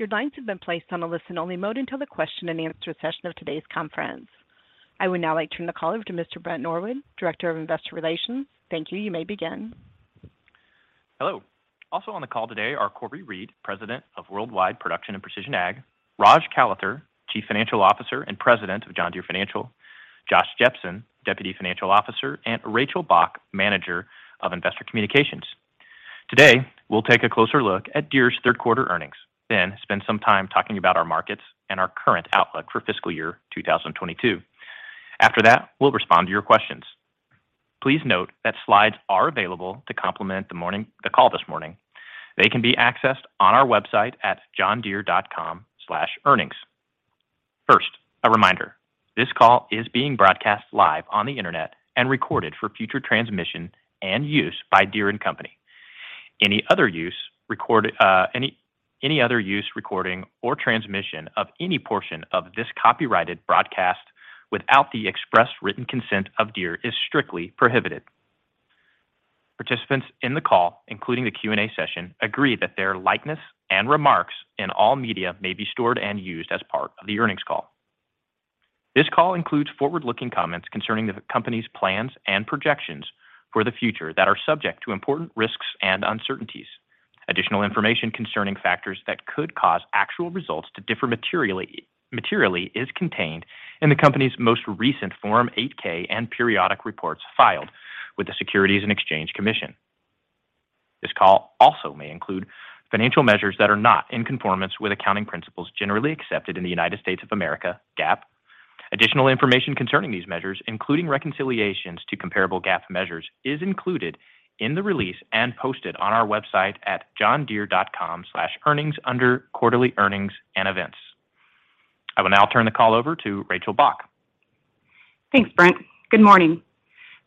All your lines have been placed on a listen-only mode until the question-and-answer session of today's conference. I would now like to turn the call over to Mr. Brent Norwood, Director of Investor Relations. Thank you. You may begin. Hello. Also on the call today are Cory Reed, President of Worldwide Production and Precision Ag, Rajesh Kalathur, Chief Information Officer and President of John Deere Financial, Josh Jepsen, Deputy Financial Officer, and Rachel Bach, Manager of Investor Communications. Today, we'll take a closer look at Deere's third quarter earnings, then spend some time talking about our markets and our current outlook for fiscal year 2022. After that, we'll respond to your questions. Please note that slides are available to complement the call this morning. They can be accessed on our website at johndeere.com/earnings. First, a reminder, this call is being broadcast live on the Internet and recorded for future transmission and use by Deere & Company. Any other use, recording, or transmission of any portion of this copyrighted broadcast without the express written consent of Deere is strictly prohibited. Participants in the call, including the Q&A session, agree that their likeness and remarks in all media may be stored and used as part of the earnings call. This call includes forward-looking comments concerning the company's plans and projections for the future that are subject to important risks and uncertainties. Additional information concerning factors that could cause actual results to differ materially is contained in the company's most recent Form 8-K and periodic reports filed with the Securities and Exchange Commission. This call also may include financial measures that are not in conformance with accounting principles generally accepted in the United States of America, GAAP. Additional information concerning these measures, including reconciliations to comparable GAAP measures, is included in the release and posted on our website at johndeere.com/earnings under Quarterly Earnings and Events. I will now turn the call over to Rachel Bach. Thanks, Brent. Good morning.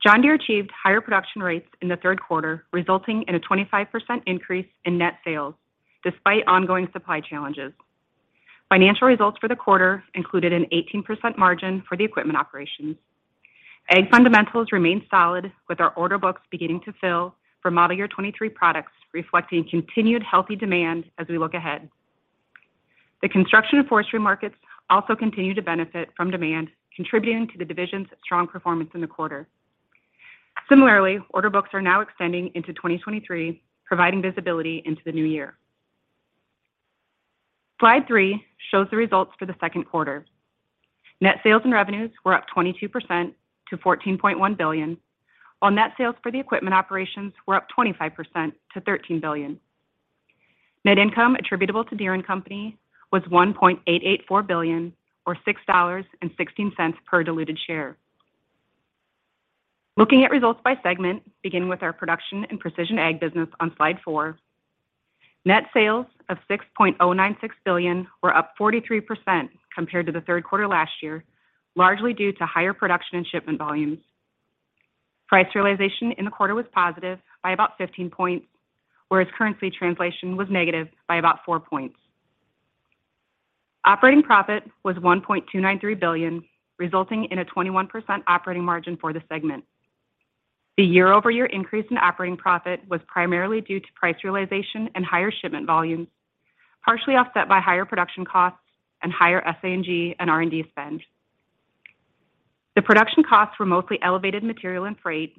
John Deere achieved higher production rates in the third quarter, resulting in a 25% increase in net sales despite ongoing supply challenges. Financial results for the quarter included an 18% margin for the equipment operations. Ag fundamentals remained solid, with our order books beginning to fill for model year 2023 products, reflecting continued healthy demand as we look ahead. The construction and forestry markets also continue to benefit from demand, contributing to the division's strong performance in the quarter. Similarly, order books are now extending into 2023, providing visibility into the new year. Slide three shows the results for the second quarter. Net sales and revenues were up 22% to $14.1 billion, while net sales for the equipment operations were up 25% to $13 billion. Net income attributable to Deere & Company was $1,884,000,000 or $6.16 per diluted share. Looking at results by segment, beginning with our Production and Precision Ag business on slide four, net sales of $6,096,000,000 were up 43% compared to the third quarter last year, largely due to higher production and shipment volumes. Price realization in the quarter was positive by about 15 points, whereas currency translation was negative by about 4 points. Operating profit was $1,293,000,000, resulting in a 21% operating margin for the segment. The year-over-year increase in operating profit was primarily due to price realization and higher shipment volumes, partially offset by higher production costs and higher SG&A and R&D spend. The production costs were mostly elevated material and freight.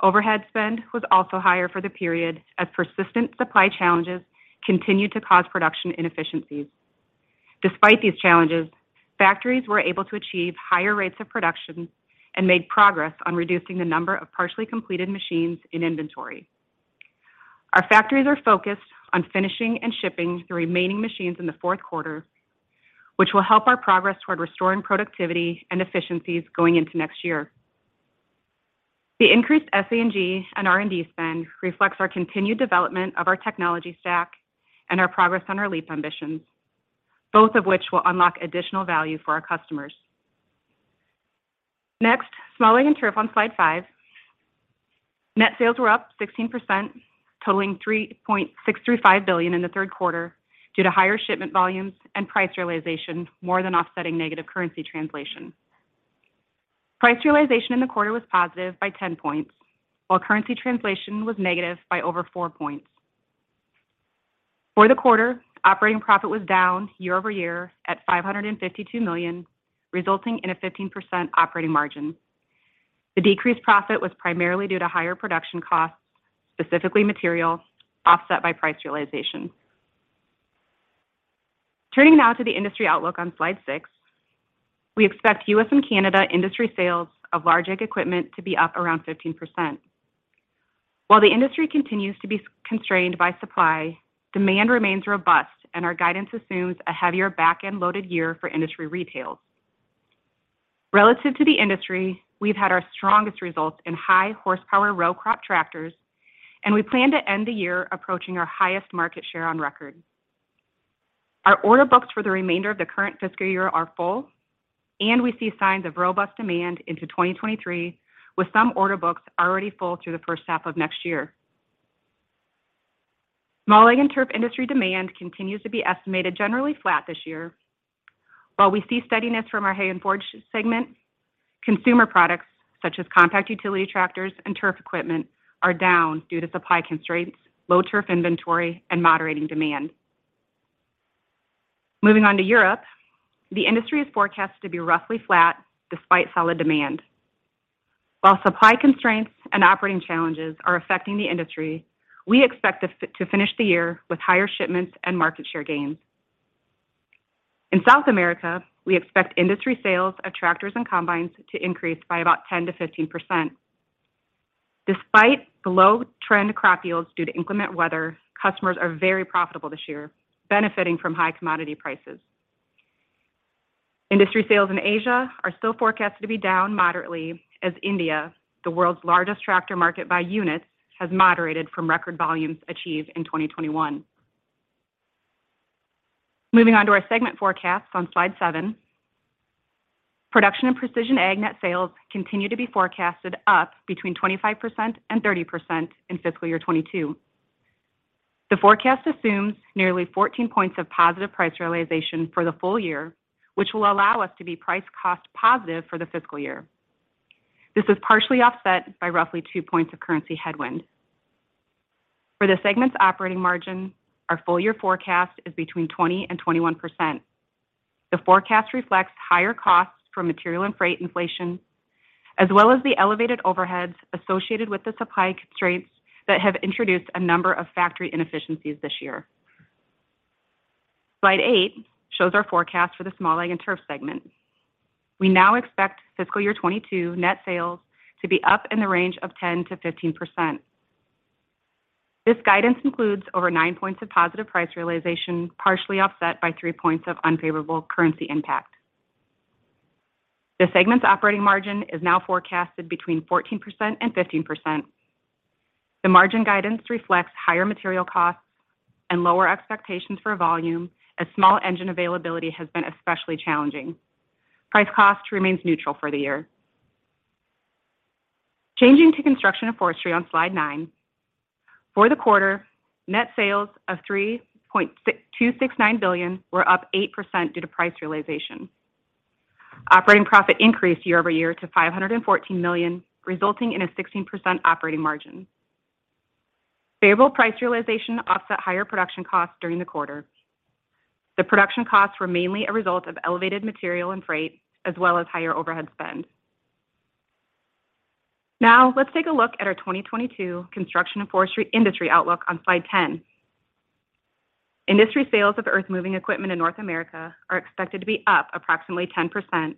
Overhead spend was also higher for the period as persistent supply challenges continued to cause production inefficiencies. Despite these challenges, factories were able to achieve higher rates of production and made progress on reducing the number of partially completed machines in inventory. Our factories are focused on finishing and shipping the remaining machines in the fourth quarter, which will help our progress toward restoring productivity and efficiencies going into next year. The increased SG&A and R&D spend reflects our continued development of our technology stack and our progress on our LEAP ambitions, both of which will unlock additional value for our customers. Next, Small Ag & Turf on slide five. Net sales were up 16%, totaling $3,635,000,000 in the third quarter due to higher shipment volumes and price realization more than offsetting negative currency translation. Price realization in the quarter was positive by 10 points, while currency translation was negative by over 4 points. For the quarter, operating profit was down year-over-year at $552 million, resulting in a 15% operating margin. The decreased profit was primarily due to higher production costs, specifically materials offset by price realization. Turning now to the industry outlook on slide six. We expect U.S. and Canada industry sales of large ag equipment to be up around 15%. While the industry continues to be constrained by supply, demand remains robust, and our guidance assumes a heavier back-end-loaded year for industry retails. Relative to the industry, we've had our strongest results in high horsepower row crop tractors, and we plan to end the year approaching our highest market share on record. Our order books for the remainder of the current fiscal year are full, and we see signs of robust demand into 2023, with some order books already full through the first half of next year. Small Ag & Turf industry demand continues to be estimated generally flat this year. While we see steadiness from our hay and forage segment, consumer products such as compact utility tractors and turf equipment are down due to supply constraints, low turf inventory, and moderating demand. Moving on to Europe, the industry is forecasted to be roughly flat despite solid demand. While supply constraints and operating challenges are affecting the industry, we expect to finish the year with higher shipments and market share gains. In South America, we expect industry sales of tractors and combines to increase by about 10%-15%. Despite below-trend crop yields due to inclement weather, customers are very profitable this year, benefiting from high commodity prices. Industry sales in Asia are still forecasted to be down moderately as India, the world's largest tractor market by units, has moderated from record volumes achieved in 2021. Moving on to our segment forecasts on slide seven. Production and Precision Ag net sales continue to be forecasted up between 25% and 30% in fiscal year 2022. The forecast assumes nearly 14 points of positive price realization for the full year, which will allow us to be price cost positive for the fiscal year. This is partially offset by roughly 2 points of currency headwind. For the segment's operating margin, our full year forecast is between 20% and 21%. The forecast reflects higher costs from material and freight inflation, as well as the elevated overheads associated with the supply constraints that have introduced a number of factory inefficiencies this year. Slide eight shows our forecast for the Small Ag & Turf segment. We now expect fiscal year 2022 net sales to be up in the range of 10%-15%. This guidance includes over 9 points of positive price realization, partially offset by 3 points of unfavorable currency impact. The segment's operating margin is now forecasted between 14% and 15%. The margin guidance reflects higher material costs and lower expectations for volume as small engine availability has been especially challenging. Price cost remains neutral for the year. Changing to Construction & Forestry on slide nine. For the quarter, net sales of $3,269,000,000 billion were up 8% due to price realization. Operating profit increased year-over-year to $514 million, resulting in a 16% operating margin. Favorable price realization offset higher production costs during the quarter. The production costs were mainly a result of elevated material and freight, as well as higher overhead spend. Now let's take a look at our 2022 Construction & Forestry industry outlook on slide 10. Industry sales of earthmoving equipment in North America are expected to be up approximately 10%,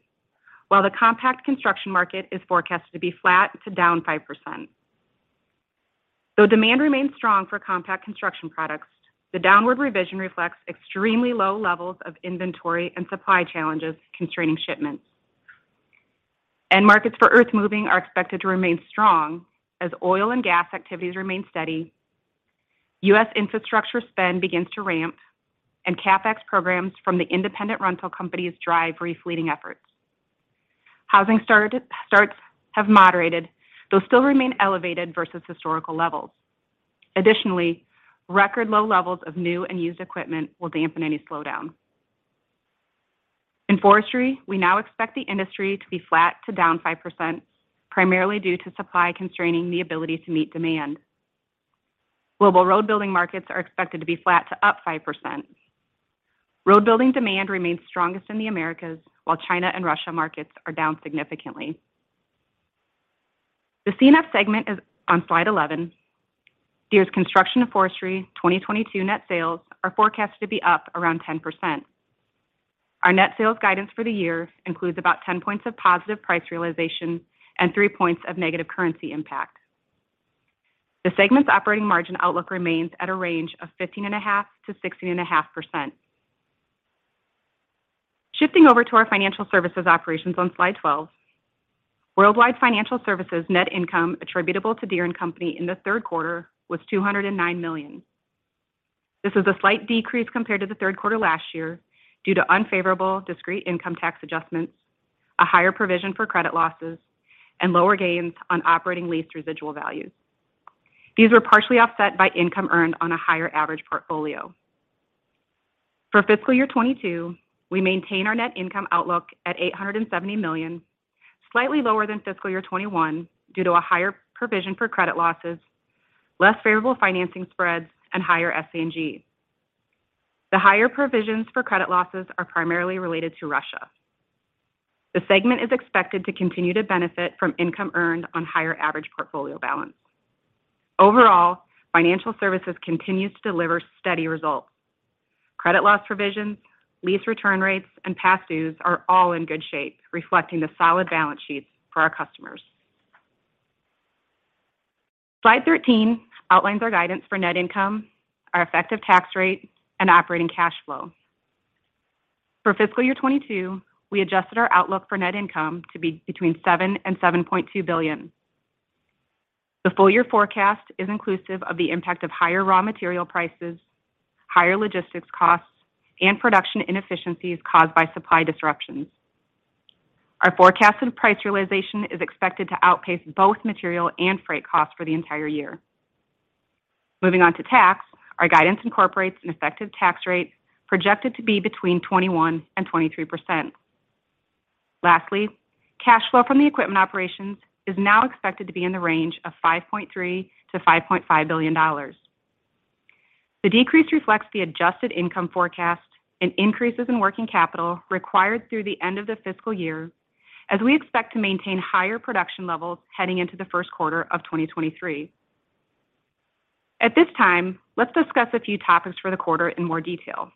while the compact construction market is forecasted to be flat to down 5%. Though demand remains strong for compact construction products, the downward revision reflects extremely low levels of inventory and supply challenges constraining shipments. End markets for earthmoving are expected to remain strong as oil and gas activities remain steady, U.S. infrastructure spend begins to ramp, and CapEx programs from the independent rental companies drive refleeting efforts. Housing starts have moderated, though still remain elevated versus historical levels. Additionally, record low levels of new and used equipment will dampen any slowdown. In forestry, we now expect the industry to be flat to down 5%, primarily due to supply constraining the ability to meet demand. Global road building markets are expected to be flat to up 5%. Road building demand remains strongest in the Americas, while China and Russia markets are down significantly. The C&F segment is on slide 11. Deere's Construction & Forestry 2022 net sales are forecasted to be up around 10%. Our net sales guidance for the year includes about 10 points of positive price realization and 3 points of negative currency impact. The segment's operating margin outlook remains at a range of 15.5%-16.5%. Shifting over to our financial services operations on slide 12. Worldwide financial services net income attributable to Deere & Company in the third quarter was $209 million. This is a slight decrease compared to the third quarter last year due to unfavorable discrete income tax adjustments, a higher provision for credit losses, and lower gains on operating lease residual values. These were partially offset by income earned on a higher average portfolio. For fiscal year 2022, we maintain our net income outlook at $870 million, slightly lower than fiscal year 2021 due to a higher provision for credit losses, less favorable financing spreads, and higher SG&A. The higher provisions for credit losses are primarily related to Russia. The segment is expected to continue to benefit from income earned on higher average portfolio balance. Overall, financial services continues to deliver steady results. Credit loss provisions, lease return rates, and past dues are all in good shape, reflecting the solid balance sheets for our customers. Slide 13 outlines our guidance for net income, our effective tax rate, and operating cash flow. For fiscal year 2022, we adjusted our outlook for net income to be between $7 billion and $7.2 billion. The full year forecast is inclusive of the impact of higher raw material prices, higher logistics costs, and production inefficiencies caused by supply disruptions. Our forecasted price realization is expected to outpace both material and freight costs for the entire year. Moving on to tax, our guidance incorporates an effective tax rate projected to be between 21% and 23%. Lastly, cash flow from the equipment operations is now expected to be in the range of $5.3 billion-$5.5 billion. The decrease reflects the adjusted income forecast and increases in working capital required through the end of the fiscal year, as we expect to maintain higher production levels heading into the first quarter of 2023. At this time, let's discuss a few topics for the quarter in more detail.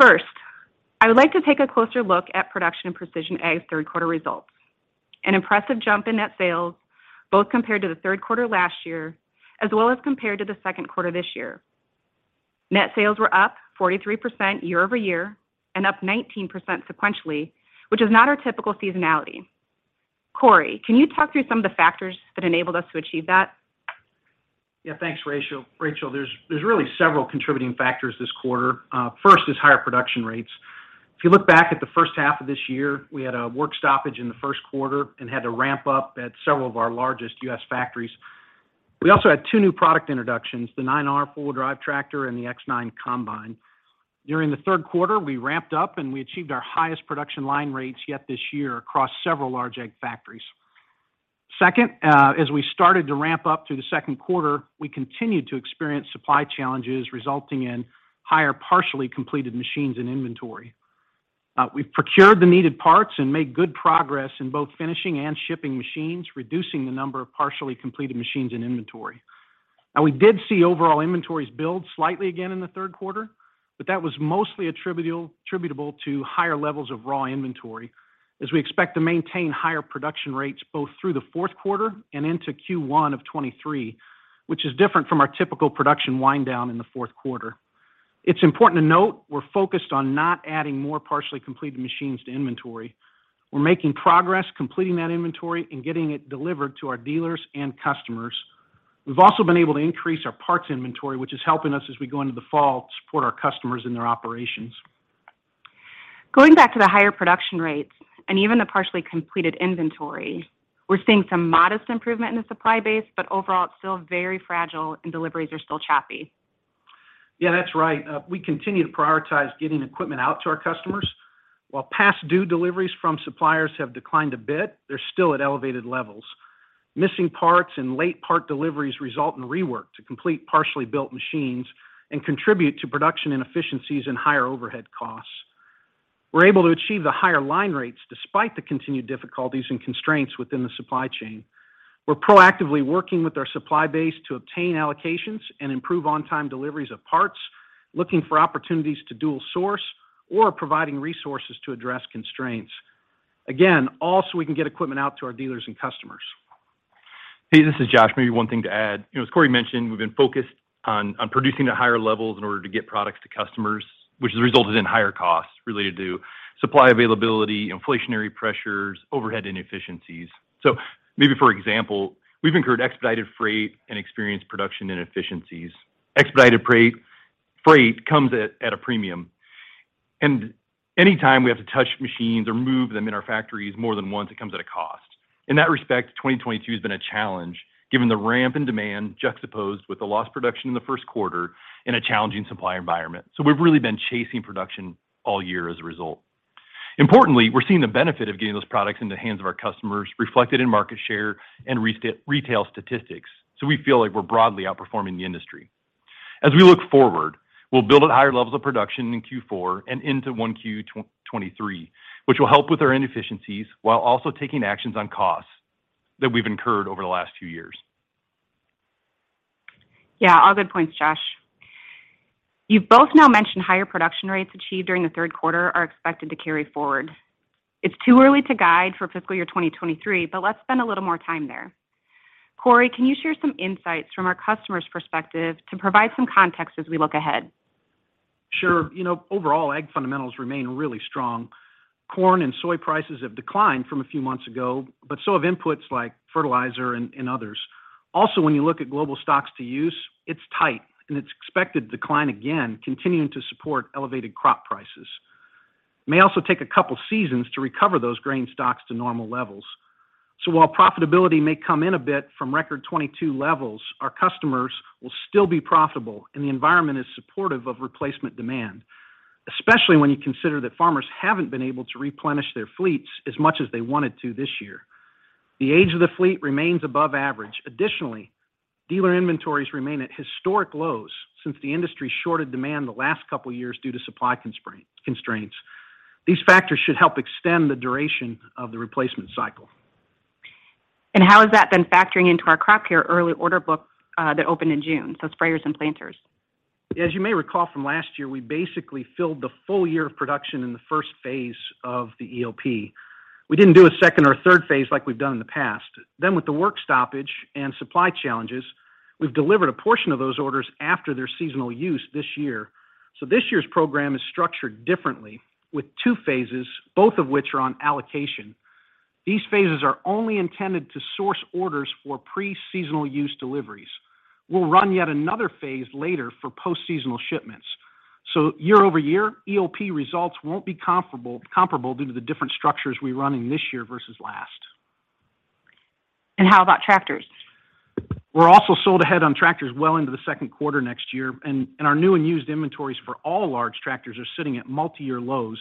First, I would like to take a closer look at Production and Precision Ag's third quarter results. An impressive jump in net sales both compared to the third quarter last year, as well as compared to the second quarter this year. Net sales were up 43% year-over-year and up 19% sequentially, which is not our typical seasonality. Cory, can you talk through some of the factors that enabled us to achieve that? Yeah. Thanks, Rachel. There's really several contributing factors this quarter. First is higher production rates. If you look back at the first half of this year, we had a work stoppage in the first quarter and had to ramp up at several of our largest U.S. factories. We also had two new product introductions, the 9R four-wheel drive tractor and the X9 combine. During the third quarter, we ramped up, and we achieved our highest production line rates yet this year across several large Ag factories. Second, as we started to ramp up through the second quarter, we continued to experience supply challenges resulting in higher partially completed machines and inventory. We've procured the needed parts and made good progress in both finishing and shipping machines, reducing the number of partially completed machines in inventory. Now we did see overall inventories build slightly again in the third quarter, but that was mostly attributable to higher levels of raw inventory as we expect to maintain higher production rates both through the fourth quarter and into Q1 of 2023, which is different from our typical production wind down in the fourth quarter. It's important to note we're focused on not adding more partially completed machines to inventory. We're making progress completing that inventory and getting it delivered to our dealers and customers. We've also been able to increase our parts inventory, which is helping us as we go into the fall to support our customers in their operations. Going back to the higher production rates and even the partially completed inventory, we're seeing some modest improvement in the supply base, but overall it's still very fragile and deliveries are still choppy. Yeah, that's right. We continue to prioritize getting equipment out to our customers. While past due deliveries from suppliers have declined a bit, they're still at elevated levels. Missing parts and late part deliveries result in rework to complete partially built machines and contribute to production inefficiencies and higher overhead costs. We're able to achieve the higher line rates despite the continued difficulties and constraints within the supply chain. We're proactively working with our supply base to obtain allocations and improve on-time deliveries of parts, looking for opportunities to dual source or providing resources to address constraints. Again, all so we can get equipment out to our dealers and customers. Hey, this is Josh. Maybe one thing to add. You know, as Cory mentioned, we've been focused on producing at higher levels in order to get products to customers, which has resulted in higher costs related to supply availability, inflationary pressures, overhead inefficiencies. Maybe, for example, we've incurred expedited freight and experienced production inefficiencies. Expedited freight comes at a premium, and anytime we have to touch machines or move them in our factories more than once, it comes at a cost. In that respect, 2022 has been a challenge given the ramp in demand juxtaposed with the lost production in the first quarter in a challenging supply environment. We've really been chasing production all year as a result. Importantly, we're seeing the benefit of getting those products into the hands of our customers reflected in market share and retail statistics. We feel like we're broadly outperforming the industry. As we look forward, we'll build at higher levels of production in Q4 and into 1Q 2023, which will help with our inefficiencies while also taking actions on costs that we've incurred over the last few years. Yeah, all good points, Josh. You've both now mentioned higher production rates achieved during the third quarter are expected to carry forward. It's too early to guide for fiscal year 2023, but let's spend a little more time there. Cory, can you share some insights from our customer's perspective to provide some context as we look ahead? Sure. You know, overall, Ag fundamentals remain really strong. Corn and soy prices have declined from a few months ago, but so have inputs like fertilizer and others. Also, when you look at global stocks to use, it's tight, and it's expected to decline again, continuing to support elevated crop prices. May also take a couple seasons to recover those grain stocks to normal levels. While profitability may come in a bit from record 2022 levels, our customers will still be profitable, and the environment is supportive of replacement demand, especially when you consider that farmers haven't been able to replenish their fleets as much as they wanted to this year. The age of the fleet remains above average. Additionally, dealer inventories remain at historic lows since the industry shorted demand the last couple years due to supply constraints. These factors should help extend the duration of the replacement cycle. How has that been factoring into our Crop Care early order book, that opened in June, so sprayers and planters? As you may recall from last year, we basically filled the full year of production in the first phase of the EOP. We didn't do a second or third phase like we've done in the past. Then with the work stoppage and supply challenges, we've delivered a portion of those orders after their seasonal use this year. This year's program is structured differently with two phases, both of which are on allocation. These phases are only intended to source orders for pre-seasonal use deliveries. We'll run yet another phase later for post-seasonal shipments. Year-over-year, EOP results won't be comparable due to the different structures we run in this year versus last. How about tractors? We're also sold ahead on tractors well into the second quarter next year. Our new and used inventories for all large tractors are sitting at multi-year lows.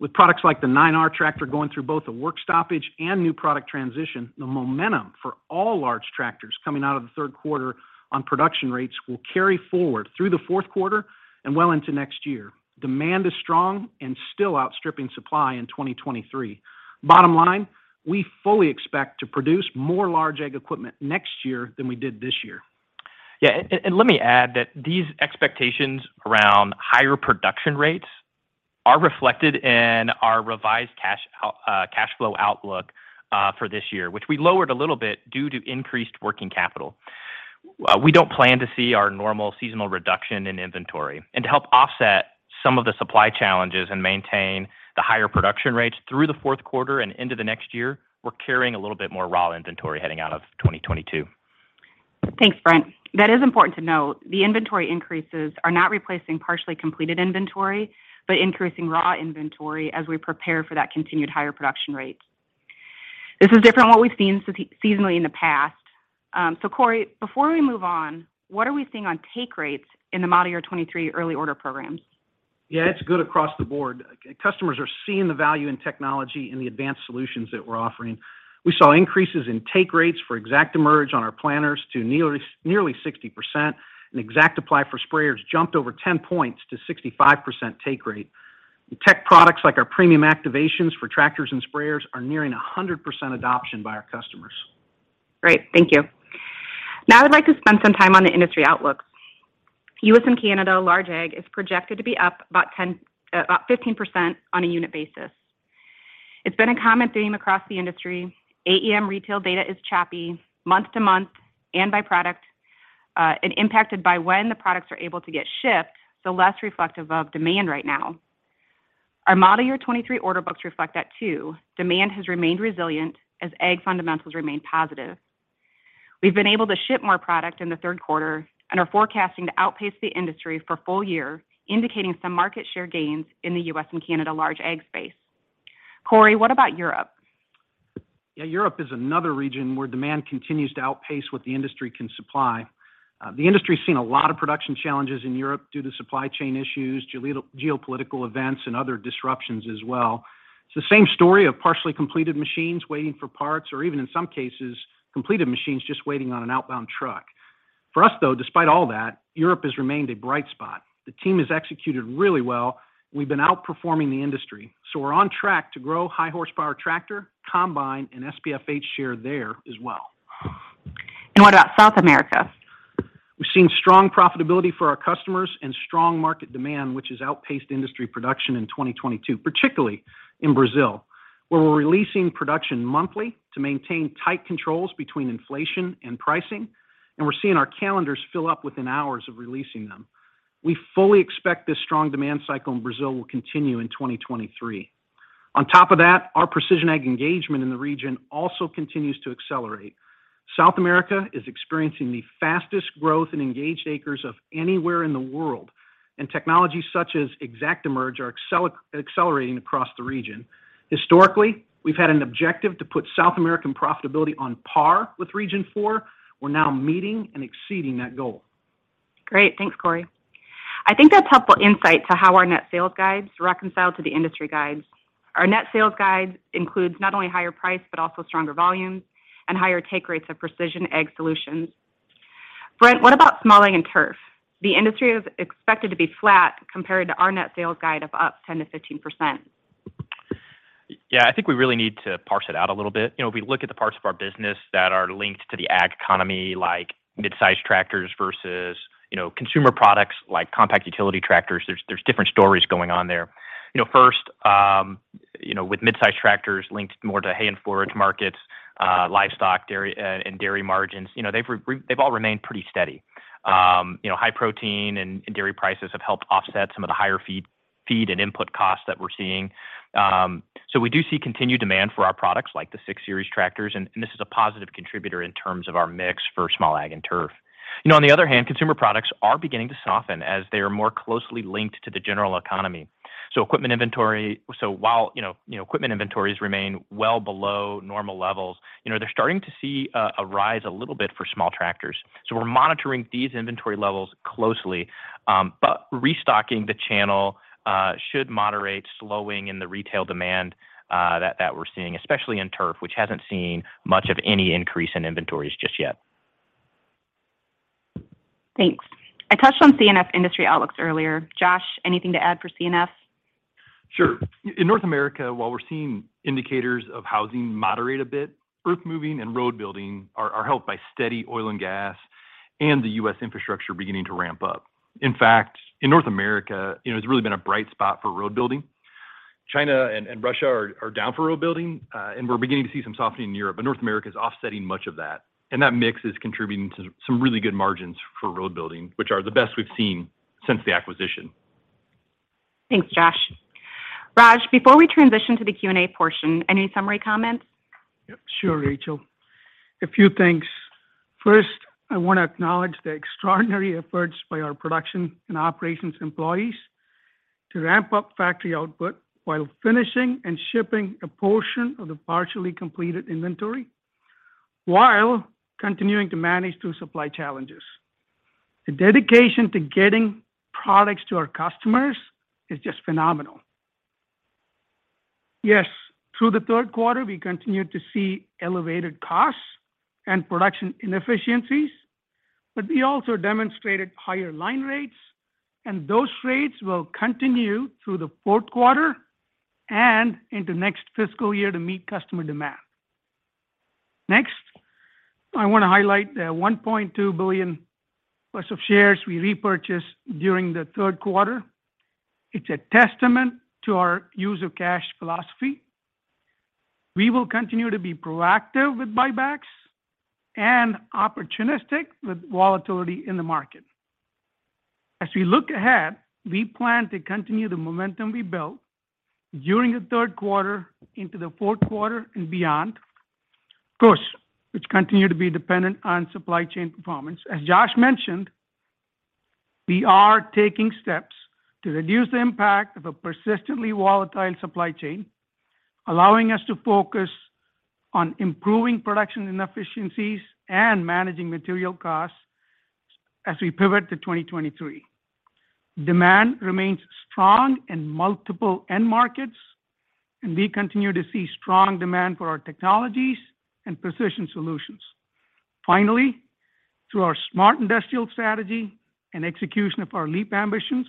With products like the 9R tractor going through both a work stoppage and new product transition, the momentum for all large tractors coming out of the third quarter on production rates will carry forward through the fourth quarter and well into next year. Demand is strong and still outstripping supply in 2023. Bottom line, we fully expect to produce more large ag equipment next year than we did this year. Yeah. Let me add that these expectations around higher production rates are reflected in our revised cash flow outlook for this year, which we lowered a little bit due to increased working capital. We don't plan to see our normal seasonal reduction in inventory. To help offset some of the supply challenges and maintain the higher production rates through the fourth quarter and into the next year, we're carrying a little bit more raw inventory heading out of 2022. Thanks, Brent. That is important to note. The inventory increases are not replacing partially completed inventory, but increasing raw inventory as we prepare for that continued higher production rate. This is different than what we've seen seasonally in the past. Cory, before we move on, what are we seeing on take rates in the model year 2023 early order programs? Yeah, it's good across the board. Customers are seeing the value in technology and the advanced solutions that we're offering. We saw increases in take rates for ExactEmerge on our planters to nearly 60%. ExactApply for sprayers jumped over 10 points to 65% take rate. Tech products like our premium activations for tractors and sprayers are nearing 100% adoption by our customers. Great. Thank you. Now I'd like to spend some time on the industry outlooks. U.S. and Canada large ag is projected to be up about 15% on a unit basis. It's been a common theme across the industry. AEM retail data is choppy month to month and by product, and impacted by when the products are able to get shipped, so less reflective of demand right now. Our model year 2023 order books reflect that too. Demand has remained resilient as ag fundamentals remain positive. We've been able to ship more product in the third quarter and are forecasting to outpace the industry for full year, indicating some market share gains in the U.S. and Canada large ag space. Cory, what about Europe? Yeah, Europe is another region where demand continues to outpace what the industry can supply. The industry's seen a lot of production challenges in Europe due to supply chain issues, geopolitical events, and other disruptions as well. It's the same story of partially completed machines waiting for parts, or even in some cases, completed machines just waiting on an outbound truck. For us, though, despite all that, Europe has remained a bright spot. The team has executed really well. We've been outperforming the industry. We're on track to grow high horsepower tractor, combine, and SPFH share there as well. What about South America? We've seen strong profitability for our customers and strong market demand, which has outpaced industry production in 2022, particularly in Brazil, where we're releasing production monthly to maintain tight controls between inflation and pricing, and we're seeing our calendars fill up within hours of releasing them. We fully expect this strong demand cycle in Brazil will continue in 2023. On top of that, our precision ag engagement in the region also continues to accelerate. South America is experiencing the fastest growth in engaged acres of anywhere in the world, and technologies such as ExactEmerge are accelerating across the region. Historically, we've had an objective to put South American profitability on par with Region 4. We're now meeting and exceeding that goal. Great. Thanks, Cory. I think that's helpful insight to how our net sales guides reconcile to the industry guides. Our net sales guides includes not only higher price, but also stronger volumes and higher take rates of Precision Ag solutions. Brent, what about Small Ag & Turf? The industry is expected to be flat compared to our net sales guide of up 10%-15%. Yeah, I think we really need to parse it out a little bit. You know, if we look at the parts of our business that are linked to the ag economy, like mid-size tractors versus, you know, consumer products like Compact Utility Tractors, there's different stories going on there. You know, first, you know, with mid-size tractors linked more to hay and forage markets, livestock, dairy, and dairy margins, you know, they've all remained pretty steady. You know, high protein and dairy prices have helped offset some of the higher feed and input costs that we're seeing. So we do see continued demand for our products like the 6 Series tractors, and this is a positive contributor in terms of our mix for Small Ag and Turf. You know, on the other hand, consumer products are beginning to soften as they are more closely linked to the general economy. While, you know, equipment inventories remain well below normal levels, you know, they're starting to see a rise a little bit for small tractors. We're monitoring these inventory levels closely, but restocking the channel should moderate slowing in the retail demand that we're seeing, especially in turf, which hasn't seen much of any increase in inventories just yet. Thanks. I touched on C&F industry outlooks earlier. Josh, anything to add for C&F? Sure. In North America, while we're seeing indicators of housing moderate a bit, earthmoving and road building are helped by steady oil and gas and the U.S. infrastructure beginning to ramp up. In fact, in North America, you know, it's really been a bright spot for road building. China and Russia are down for road building, and we're beginning to see some softening in Europe, but North America is offsetting much of that. That mix is contributing to some really good margins for road building, which are the best we've seen since the acquisition. Thanks, Josh. Raj, before we transition to the Q&A portion, any summary comments? Sure, Rachel. A few things. First, I wanna acknowledge the extraordinary efforts by our production and operations employees to ramp up factory output while finishing and shipping a portion of the partially completed inventory while continuing to manage through supply challenges. The dedication to getting products to our customers is just phenomenal. Yes, through the third quarter we continued to see elevated costs and production inefficiencies, but we also demonstrated higher line rates, and those rates will continue through the fourth quarter and into next fiscal year to meet customer demand. Next, I wanna highlight the $1.2 billion+ of shares we repurchased during the third quarter. It's a testament to our use of cash philosophy. We will continue to be proactive with buybacks and opportunistic with volatility in the market. As we look ahead, we plan to continue the momentum we built during the third quarter into the fourth quarter and beyond. Of course, we will continue to be dependent on supply chain performance. As Josh mentioned, we are taking steps to reduce the impact of a persistently volatile supply chain, allowing us to focus on improving production inefficiencies and managing material costs as we pivot to 2023. Demand remains strong in multiple end markets, and we continue to see strong demand for our technologies and precision solutions. Finally, through our Smart Industrial strategy and execution of our LEAP ambitions,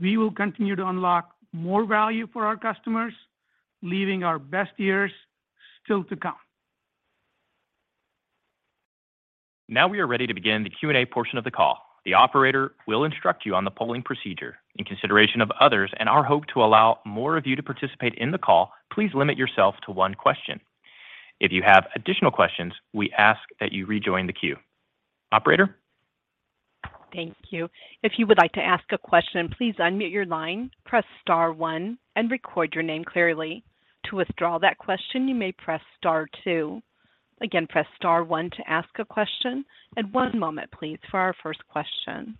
we will continue to unlock more value for our customers, leaving our best years still to come. Now we are ready to begin the Q&A portion of the call. The operator will instruct you on the polling procedure. In consideration of others and our hope to allow more of you to participate in the call, please limit yourself to one question. If you have additional questions, we ask that you rejoin the queue. Operator? Thank you. If you would like to ask a question, please unmute your line, press star one and record your name clearly. To withdraw that question, you may press star two. Again, press star one to ask a question. One moment please for our first question.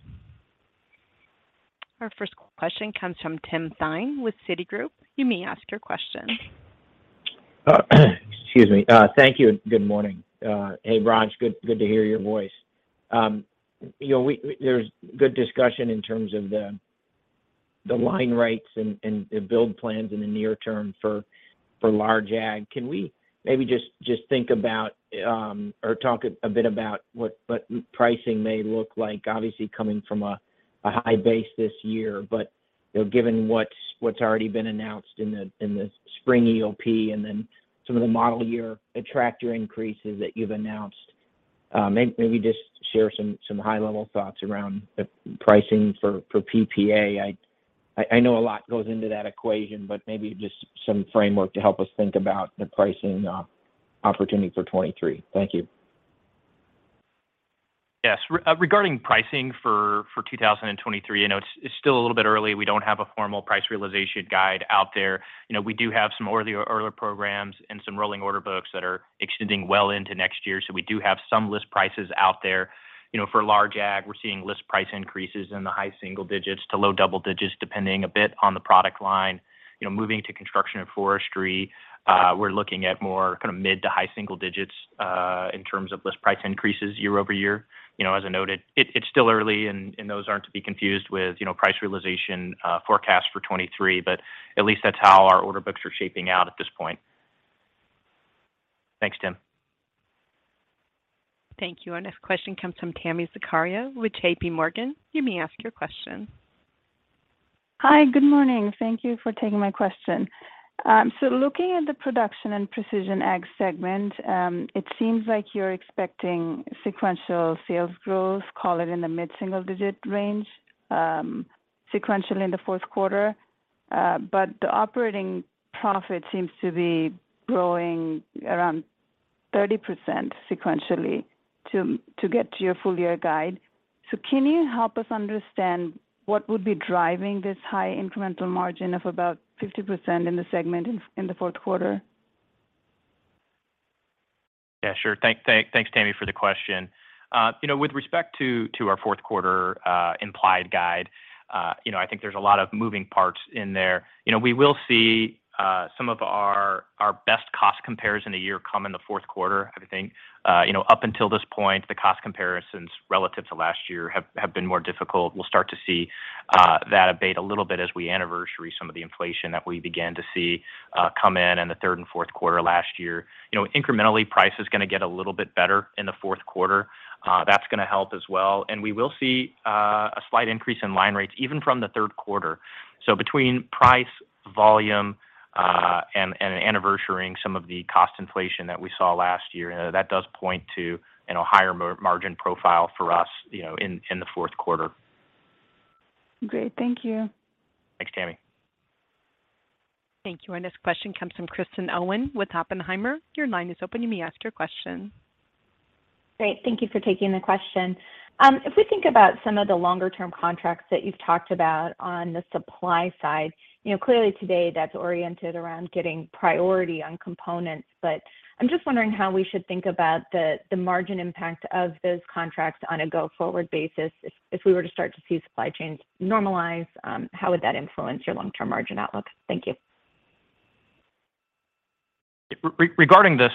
Our first question comes from Timothy Thein with Citigroup. You may ask your question. Excuse me. Thank you, and good morning. Hey, Raj, good to hear your voice. You know, there's good discussion in terms of the line rates and build plans in the near term for large ag. Can we maybe just think about or talk a bit about what pricing may look like? Obviously coming from a high base this year, but you know, given what's already been announced in the spring EOP and then some of the model year tractor increases that you've announced, maybe just share some high-level thoughts around the pricing for PPA. I know a lot goes into that equation, but maybe just some framework to help us think about the pricing opportunity for 2023. Thank you. Yes. Regarding pricing for 2023, you know, it's still a little bit early. We don't have a formal price realization guide out there. You know, we do have some early programs and some rolling order books that are extending well into next year, so we do have some list prices out there. You know, for large ag, we're seeing list price increases in the high single digits to low double digits, depending a bit on the product line. You know, moving to construction and forestry, we're looking at more kinda mid to high single digits, in terms of list price increases year-over-year. You know, as I noted, it's still early and those aren't to be confused with, you know, price realization forecast for 2023, but at least that's how our order books are shaping out at this point. Thanks, Tim. Thank you. Our next question comes from Tami Zakaria with JPMorgan. You may ask your question. Hi. Good morning. Thank you for taking my question. Looking at the Production and Precision Ag segment, it seems like you're expecting sequential sales growth, call it in the mid-single-digit range, sequentially in the fourth quarter. The operating profit seems to be growing around 30% sequentially to get to your full-year guide. Can you help us understand what would be driving this high incremental margin of about 50% in the segment in the fourth quarter? Yeah, sure. Thanks Tami for the question. You know, with respect to our fourth quarter implied guide, you know, I think there's a lot of moving parts in there. You know, we will see some of our best cost comparison of the year come in the fourth quarter, I think. You know, up until this point, the cost comparisons relative to last year have been more difficult. We'll start to see that abate a little bit as we anniversary some of the inflation that we began to see come in in the third and fourth quarter last year. You know, incrementally, price is gonna get a little bit better in the fourth quarter. That's gonna help as well. We will see a slight increase in line rates even from the third quarter. Between price, volume, and anniversarying some of the cost inflation that we saw last year, you know, that does point to, you know, higher margin profile for us, you know, in the fourth quarter. Great. Thank you. Thanks, Tami. Thank you. Our next question comes from Kristen Owen with Oppenheimer. Your line is open. You may ask your question. Great. Thank you for taking the question. If we think about some of the longer term contracts that you've talked about on the supply side, you know, clearly today that's oriented around getting priority on components, but I'm just wondering how we should think about the margin impact of those contracts on a go-forward basis. If we were to start to see supply chains normalize, how would that influence your long-term margin outlook? Thank you. Regarding this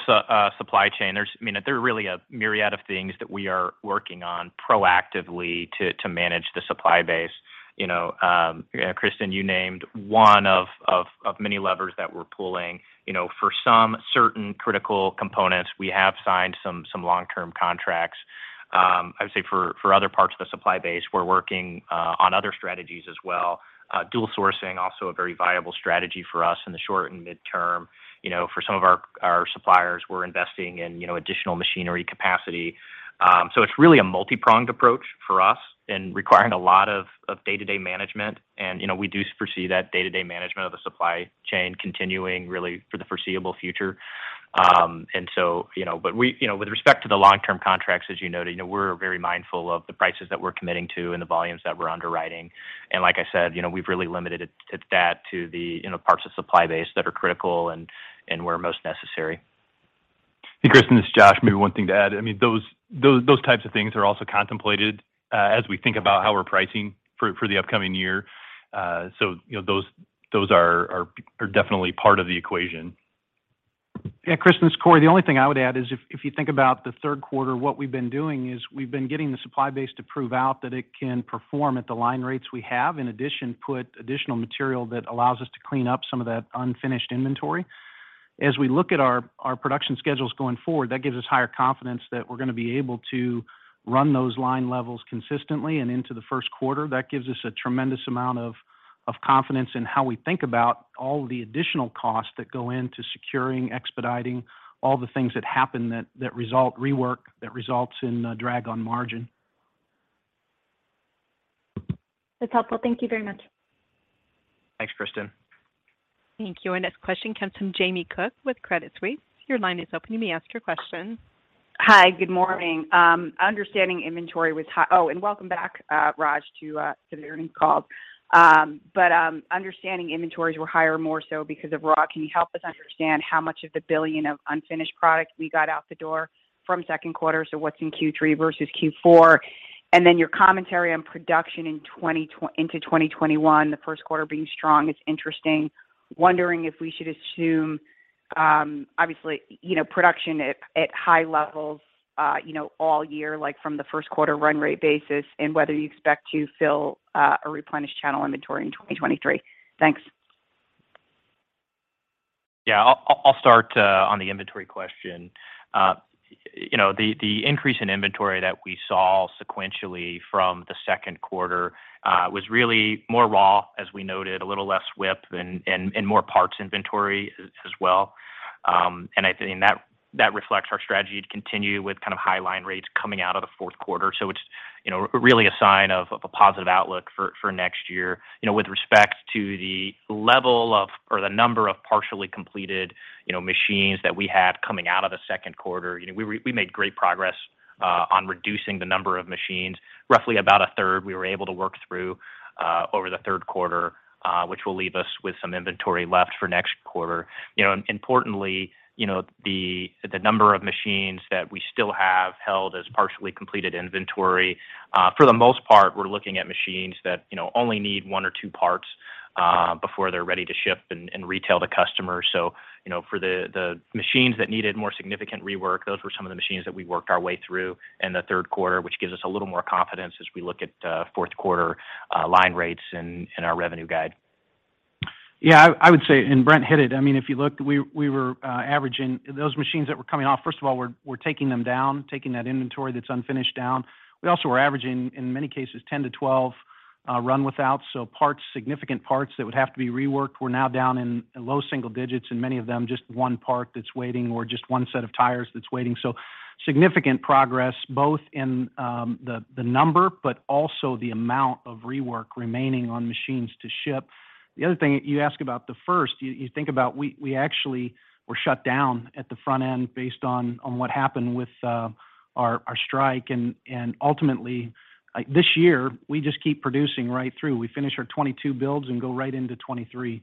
supply chain, I mean, there are really a myriad of things that we are working on proactively to manage the supply base. You know, Kristen, you named one of many levers that we're pulling. You know, for some certain critical components, we have signed some long-term contracts. I would say for other parts of the supply base, we're working on other strategies as well. Dual sourcing also a very viable strategy for us in the short and mid-term. You know, for some of our suppliers, we're investing in additional machinery capacity. It's really a multi-pronged approach for us and requiring a lot of day-to-day management. You know, we do foresee that day-to-day management of the supply chain continuing really for the foreseeable future. You know, with respect to the long-term contracts, as you noted, you know, we're very mindful of the prices that we're committing to and the volumes that we're underwriting. Like I said, you know, we've really limited it to that, the, you know, parts of supply base that are critical and where most necessary. Hey, Kristen, this is Josh. Maybe one thing to add. I mean, those types of things are also contemplated as we think about how we're pricing for the upcoming year. So, you know, those are definitely part of the equation. Yeah. Kristen, it's Cory. The only thing I would add is if you think about the third quarter, what we've been doing is we've been getting the supply base to prove out that it can perform at the line rates we have. In addition, put additional material that allows us to clean up some of that unfinished inventory. As we look at our production schedules going forward, that gives us higher confidence that we're gonna be able to run those line levels consistently and into the first quarter. That gives us a tremendous amount of confidence in how we think about all the additional costs that go into securing, expediting, all the things that happen that result in rework that results in drag on margin. That's helpful. Thank you very much. Thanks, Kristen. Thank you. Our next question comes from Jamie Cook with Credit Suisse. Your line is open. You may ask your question. Hi. Good morning. Understanding inventory was high. Oh, welcome back, Raj, to the earnings call. Understanding inventories were higher more so because of raw. Can you help us understand how much of the $1 billion of unfinished product we got out the door from second quarter? So what's in Q3 versus Q4? And then your commentary on production into 2021, the first quarter being strong. It's interesting. Wondering if we should assume, obviously, you know, production at high levels, you know, all year, like from the first quarter run rate basis, and whether you expect to fill a replenished channel inventory in 2023. Thanks. I'll start on the inventory question. You know, the increase in inventory that we saw sequentially from the second quarter was really more raw, as we noted, a little less WIP and more parts inventory as well. I think that reflects our strategy to continue with kind of high line rates coming out of the fourth quarter. It's you know, really a sign of a positive outlook for next year. You know, with respect to the level of, or the number of partially completed you know, machines that we had coming out of the second quarter, you know, we made great progress on reducing the number of machines. Roughly about a third we were able to work through over the third quarter, which will leave us with some inventory left for next quarter. You know, importantly, you know, the number of machines that we still have held as partially completed inventory, for the most part, we're looking at machines that, you know, only need one or two parts, before they're ready to ship and retail the customer. You know, for the machines that needed more significant rework, those were some of the machines that we worked our way through in the third quarter, which gives us a little more confidence as we look at fourth quarter line rates and our revenue guide. Yeah. I would say Brent hit it. I mean, if you look, we were averaging. Those machines that were coming off, first of all, we're taking them down, taking that inventory that's unfinished down. We also were averaging, in many cases, 10-12 run without. So parts, significant parts that would have to be reworked were now down in low single digits, and many of them just one part that's waiting or just one set of tires that's waiting. So significant progress both in the number, but also the amount of rework remaining on machines to ship. The other thing, you asked about the first. You think about we actually were shut down at the front end based on what happened with our strike. Ultimately, like this year, we just keep producing right through. We finish our 22 builds and go right into 23.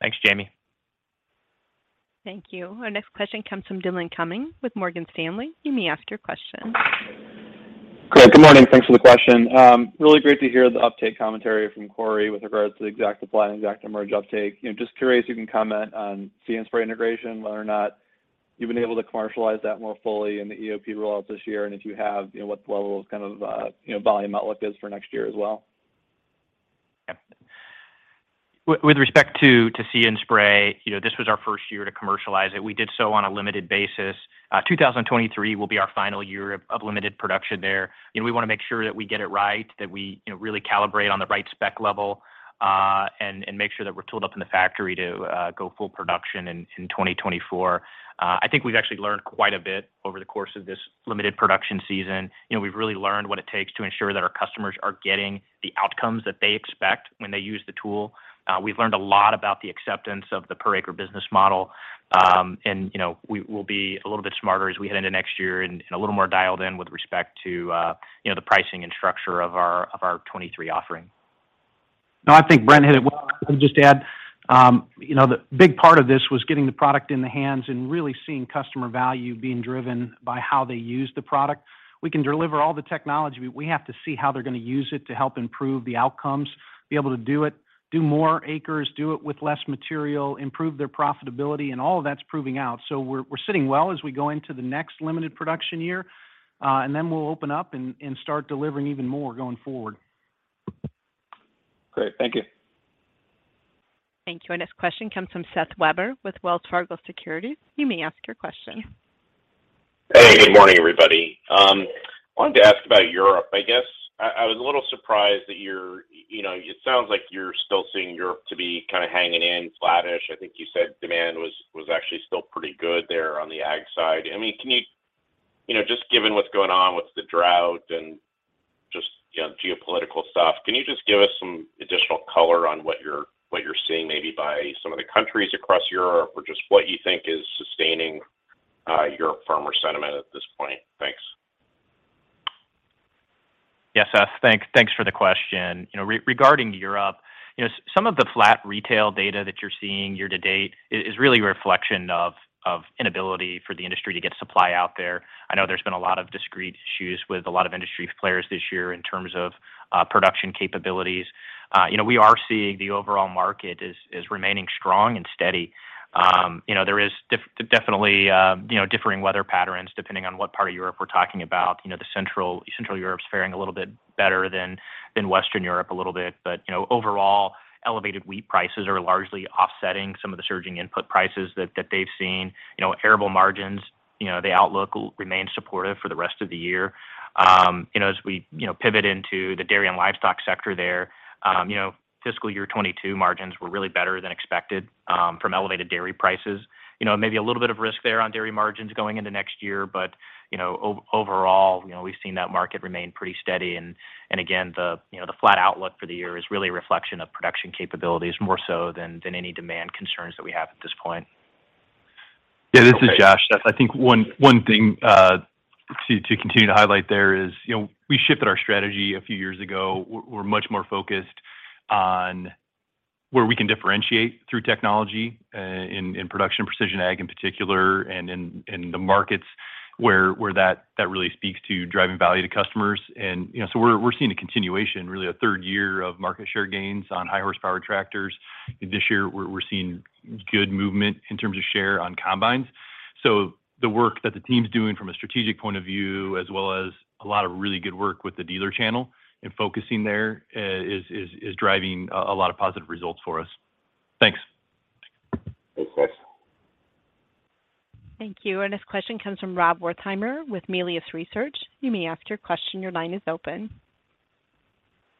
Thanks, Jamie. Thank you. Our next question comes from Dillon Cumming with Morgan Stanley. You may ask your question. Great. Good morning. Thanks for the question. Really great to hear the uptake commentary from Cory with regards to the ExactApply and ExactEmerge uptake. You know, just curious if you can comment on See & Spray integration, whether or not you've been able to commercialize that more fully in the EOP rollout this year, and if you have, you know, what the level of kind of, you know, volume outlook is for next year as well. With respect to See & Spray, you know, this was our first year to commercialize it. We did so on a limited basis. 2023 will be our final year of limited production there. You know, we wanna make sure that we get it right, that we, you know, really calibrate on the right spec level, and make sure that we're tooled up in the factory to go full production in 2024. I think we've actually learned quite a bit over the course of this limited production season. You know, we've really learned what it takes to ensure that our customers are getting the outcomes that they expect when they use the tool. We've learned a lot about the acceptance of the per acre business model. You know, we will be a little bit smarter as we head into next year and a little more dialed in with respect to, you know, the pricing and structure of our 2023 offering. No, I think Brent hit it well. I'll just add, you know, the big part of this was getting the product in the hands and really seeing customer value being driven by how they use the product. We can deliver all the technology, but we have to see how they're gonna use it to help improve the outcomes, be able to do it, do more acres, do it with less material, improve their profitability, and all of that's proving out. We're sitting well as we go into the next limited production year. We'll open up and start delivering even more going forward. Great. Thank you. Thank you. Our next question comes from Seth Weber with Wells Fargo Securities. You may ask your question. Hey, good morning, everybody. I wanted to ask about Europe, I guess. I was a little surprised that you're You know, it sounds like you're still seeing Europe to be kinda hanging in, flattish. I think you said demand was actually still pretty good there on the ag side. I mean, can you You know, just given what's going on with the drought and just, you know, geopolitical stuff, can you just give us some additional color on what you're seeing maybe by some of the countries across Europe or just what you think is sustaining Europe farmer sentiment at this point? Thanks. Yeah, Seth. Thanks for the question. Regarding Europe, some of the flat retail data that you're seeing year-to-date is really a reflection of inability for the industry to get supply out there. I know there's been a lot of discrete issues with a lot of industry players this year in terms of production capabilities. We are seeing the overall market is remaining strong and steady. There is definitely differing weather patterns depending on what part of Europe we're talking about. The Central Europe's faring a little bit better than Western Europe a little bit. Overall, elevated wheat prices are largely offsetting some of the surging input prices that they've seen. You know, arable margins, you know, the outlook will remain supportive for the rest of the year. You know, as we, you know, pivot into the dairy and livestock sector there, you know, fiscal year 2022 margins were really better than expected, from elevated dairy prices. You know, maybe a little bit of risk there on dairy margins going into next year but, you know, overall, you know, we've seen that market remain pretty steady. Again, you know, the flat outlook for the year is really a reflection of production capabilities more so than any demand concerns that we have at this point. Okay. Yeah, this is Josh. I think one thing to continue to highlight there is, you know, we shifted our strategy a few years ago. We're much more focused on where we can differentiate through technology in Production Precision Ag in particular and in the markets where that really speaks to driving value to customers. You know, so we're seeing a continuation, really a third year of market share gains on high horsepower tractors. This year we're seeing good movement in terms of share on combines. The work that the team's doing from a strategic point of view as well as a lot of really good work with the dealer channel and focusing there is driving a lot of positive results for us. Thanks. Thanks, guys. Thank you. Our next question comes from Rob Wertheimer with Melius Research. You may ask your question. Your line is open.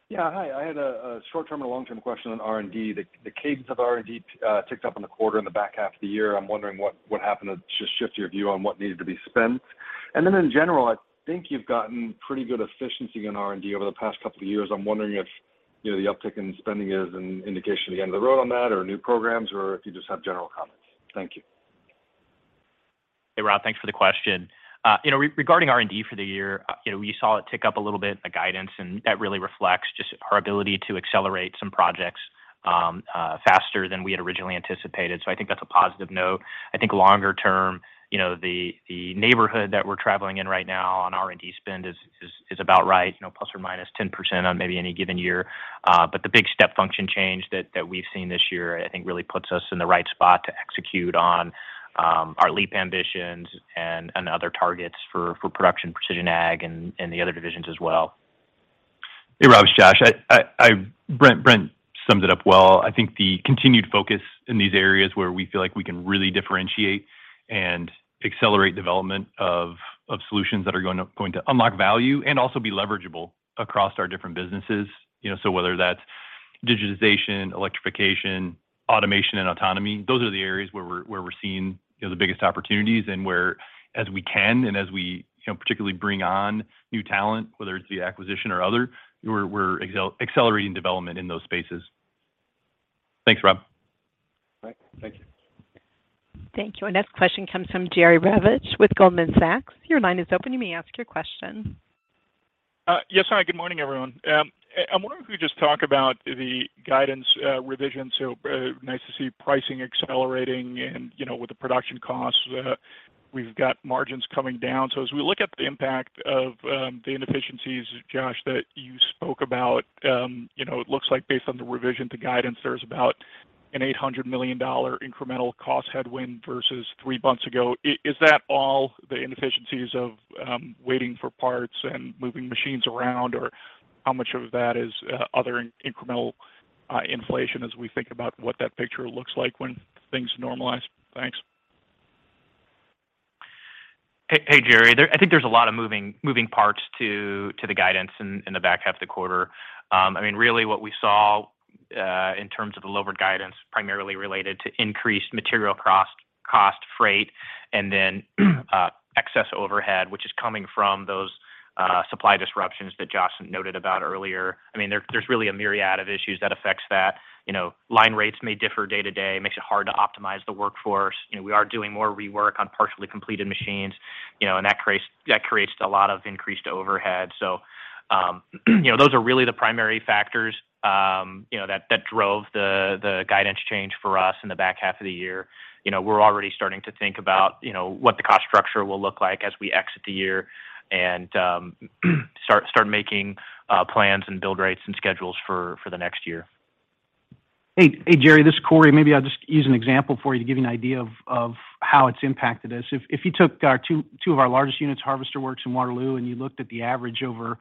Yeah. Hi. I had a short-term and long-term question on R&D. The cadence of R&D ticked up in the quarter in the back half of the year. I'm wondering what happened to shift your view on what needed to be spent. In general, I think you've gotten pretty good efficiency in R&D over the past couple of years. I'm wondering if, you know, the uptick in spending is an indication of the end of the road on that or new programs, or if you just have general comments. Thank you. Hey, Rob. Thanks for the question. You know, regarding R&D for the year, you know, we saw it tick up a little bit in the guidance, and that really reflects just our ability to accelerate some projects faster than we had originally anticipated. I think that's a positive note. I think longer term, you know, the neighborhood that we're traveling in right now on R&D spend is about right, you know, ±10% on maybe any given year. The big step function change that we've seen this year I think really puts us in the right spot to execute on our LEAP ambitions and other targets for Production and Precision Ag and the other divisions as well. Hey, Rob. It's Josh. Brent summed it up well. I think the continued focus in these areas where we feel like we can really differentiate and accelerate development of solutions that are going to unlock value and also be leverageable across our different businesses. You know, so whether that's digitization, electrification, automation, and autonomy, those are the areas where we're seeing, you know, the biggest opportunities and where as we can and as we, you know, particularly bring on new talent, whether it's via acquisition or other, we're accelerating development in those spaces. Thanks, Rob. All right. Thank you. Thank you. Our next question comes from Jerry Revich with Goldman Sachs. Your line is open. You may ask your question. Yes. Hi, good morning, everyone. I wonder if you could just talk about the guidance revision. Nice to see pricing accelerating and, you know, with the production costs, we've got margins coming down. As we look at the impact of the inefficiencies, Josh, that you spoke about, you know, it looks like based on the revision to guidance, there's about an $800 million incremental cost headwind versus three months ago. Is that all the inefficiencies of waiting for parts and moving machines around, or how much of that is other incremental inflation as we think about what that picture looks like when things normalize? Thanks. Hey, Jerry. I think there's a lot of moving parts to the guidance in the back half of the quarter. I mean, really what we saw in terms of the lower guidance primarily related to increased material cost, freight, and then excess overhead, which is coming from those supply disruptions that Josh noted about earlier. I mean, there's really a myriad of issues. You know, line rates may differ day to day. It makes it hard to optimize the workforce. You know, we are doing more rework on partially completed machines, you know, and that creates a lot of increased overhead. You know, those are really the primary factors, you know, that drove the guidance change for us in the back half of the year. You know, we're already starting to think about, you know, what the cost structure will look like as we exit the year and start making plans and build rates and schedules for the next year. Hey, Jerry, this is Cory. Maybe I'll just use an example for you to give you an idea of how it's impacted us. If you took two of our largest units, Harvester Works in Waterloo, and you looked at the average over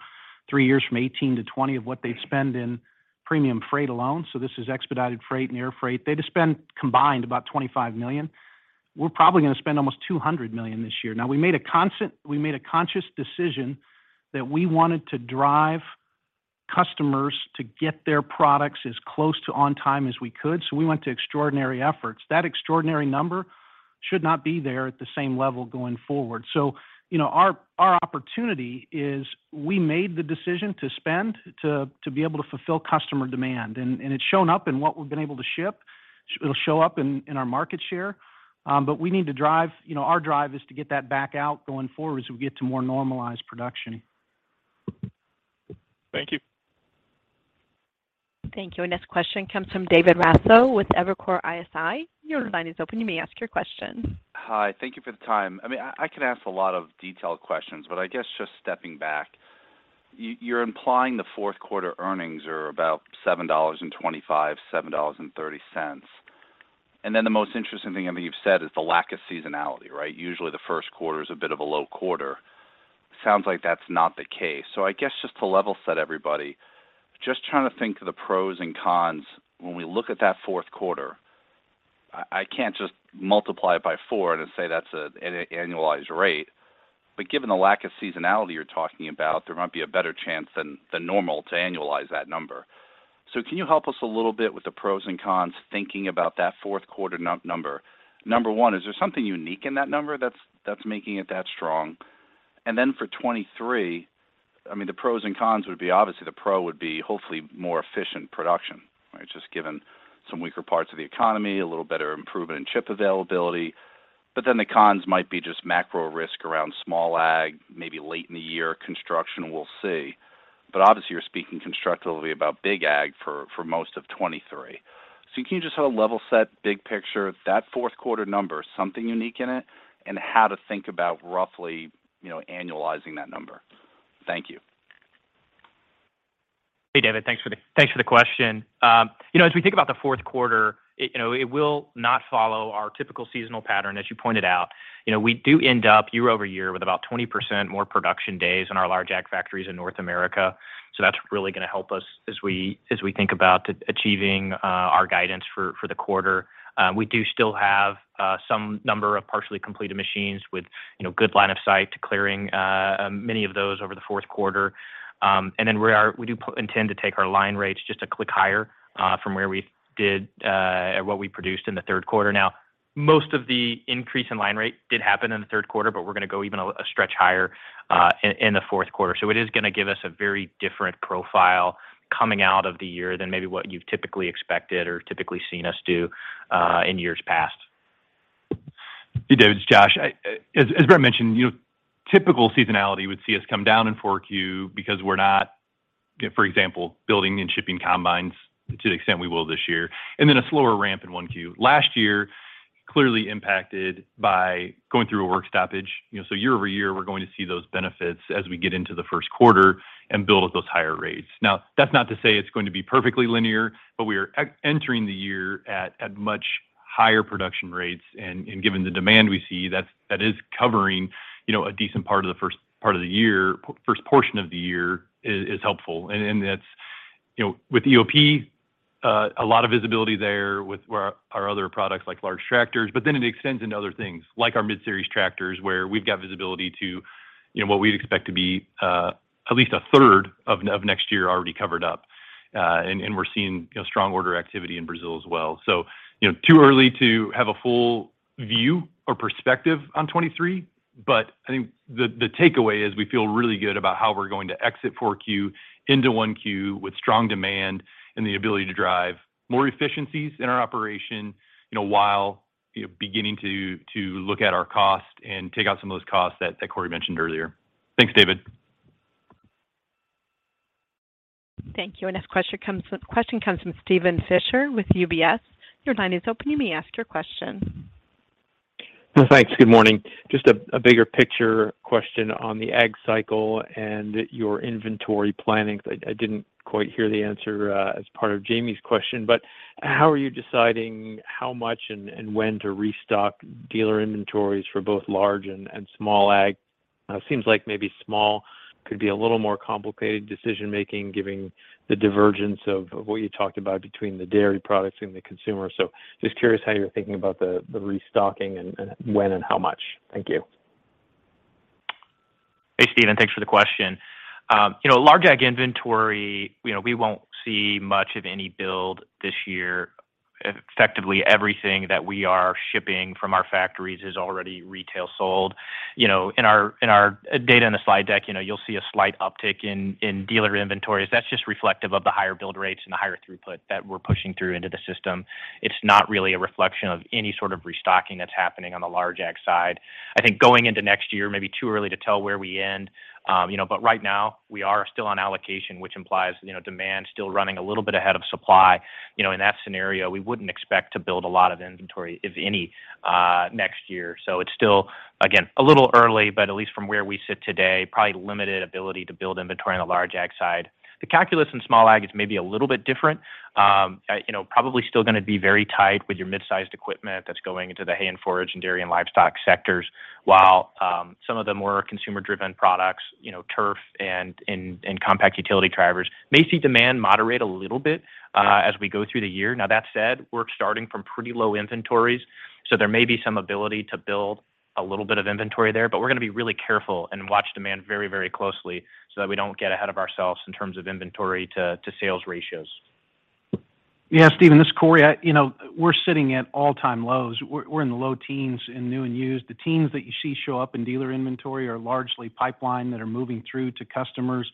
three years from 2018 to 2020 of what they spend in premium freight alone, so this is expedited freight and air freight. They'd spent combined about $25 million. We're probably gonna spend almost $200 million this year. Now, we made a conscious decision that we wanted to drive customers to get their products as close to on time as we could, so we went to extraordinary efforts. That extraordinary number should not be there at the same level going forward. You know, our opportunity is we made the decision to spend to be able to fulfill customer demand. It's shown up in what we've been able to ship. It'll show up in our market share. We need to drive. You know, our drive is to get that back out going forward as we get to more normalized production. Thank you. Thank you. Next question comes from David Raso with Evercore ISI. Your line is open. You may ask your question. Hi. Thank you for the time. I mean, I can ask a lot of detailed questions, but I guess just stepping back, you're implying the fourth quarter earnings are about $7.25-$7.30. The most interesting thing, I mean, you've said is the lack of seasonality, right? Usually the first quarter is a bit of a low quarter. Sounds like that's not the case. I guess just to level set everybody, just trying to think of the pros and cons when we look at that fourth quarter. I can't just multiply it by four and say that's an annualized rate. But given the lack of seasonality you're talking about, there might be a better chance than normal to annualize that number. Can you help us a little bit with the pros and cons, thinking about that fourth quarter number? Number one, is there something unique in that number that's making it that strong? Then for 2023, I mean, the pros and cons would be obviously the pro would be hopefully more efficient production. Right? Just given some weaker parts of the economy, a little better improvement in chip availability. The cons might be just macro risk around small ag, maybe late in the year construction, we'll see. Obviously you're speaking constructively about big ag for most of 2023. Can you just help level set big picture that fourth quarter number, something unique in it and how to think about roughly, you know, annualizing that number? Thank you. Hey, David. Thanks for the question. You know, as we think about the fourth quarter, it will not follow our typical seasonal pattern, as you pointed out. You know, we do end up year-over-year with about 20% more production days in our large ag factories in North America. So that's really gonna help us as we think about achieving our guidance for the quarter. We do still have some number of partially completed machines with good line of sight to clearing many of those over the fourth quarter. We do intend to take our line rates just a click higher from where we did what we produced in the third quarter. Now, most of the increase in line rate did happen in the third quarter, but we're gonna go even a stretch higher in the fourth quarter. It is gonna give us a very different profile coming out of the year than maybe what you've typically expected or typically seen us do in years past. Hey, David, it's Josh. As Brent mentioned, you know, typical seasonality would see us come down in 4Q because we're not, for example, building and shipping combines to the extent we will this year. Then a slower ramp in 1Q. Last year, clearly impacted by going through a work stoppage. You know, year-over-year, we're going to see those benefits as we get into the first quarter and build at those higher rates. Now, that's not to say it's going to be perfectly linear, but we are entering the year at much higher production rates. Given the demand we see, that is covering, you know, a decent part of the first part of the year. First portion of the year is helpful. That's you know with EOP a lot of visibility there with our other products like large tractors, but then it extends into other things like our mid-series tractors, where we've got visibility to you know what we'd expect to be at least a third of next year already covered up. We're seeing you know strong order activity in Brazil as well. You know too early to have a full view or perspective on 2023, but I think the takeaway is we feel really good about how we're going to exit Q4 into Q1 with strong demand and the ability to drive more efficiencies in our operation you know while beginning to look at our cost and take out some of those costs that Cory mentioned earlier. Thanks, David. Thank you. Our next question comes from Steven Fisher with UBS. Your line is open. You may ask your question. Thanks. Good morning. Just a bigger picture question on the ag cycle and your inventory planning. I didn't quite hear the answer as part of Jamie's question. How are you deciding how much and when to restock dealer inventories for both large and small ag? Seems like maybe small could be a little more complicated decision-making, given the divergence of what you talked about between the dairy products and the consumer. Just curious how you're thinking about the restocking and when and how much. Thank you. Hey, Steven. Thanks for the question. You know, large ag inventory, you know, we won't see much of any build this year. Effectively everything that we are shipping from our factories is already retail sold. You know, in our data in the slide deck, you know, you'll see a slight uptick in dealer inventories. That's just reflective of the higher build rates and the higher throughput that we're pushing through into the system. It's not really a reflection of any sort of restocking that's happening on the large ag side. I think going into next year, maybe too early to tell where we end. You know, right now we are still on allocation, which implies, you know, demand still running a little bit ahead of supply. You know, in that scenario, we wouldn't expect to build a lot of inventory, if any, next year. It's still, again, a little early, but at least from where we sit today, probably limited ability to build inventory on the large ag side. The calculus in small ag is maybe a little bit different. You know, probably still gonna be very tight with your mid-sized equipment that's going into the hay and forage and dairy and livestock sectors. While, some of the more consumer-driven products, you know, turf and compact utility tractors may see demand moderate a little bit, as we go through the year. Now that said, we're starting from pretty low inventories, so there may be some ability to build a little bit of inventory there, but we're gonna be really careful and watch demand very, very closely so that we don't get ahead of ourselves in terms of inventory to sales ratios. Yeah, Steven, this is Cory. You know, we're sitting at all-time lows. We're in the low teens in new and used. The teens that you see show up in dealer inventory are largely pipeline that are moving through to customers.